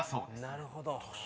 なるほど。